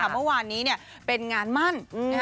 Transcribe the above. มันวานเป็นงานมั่น